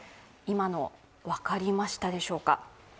今の、分かりましたでしょうか？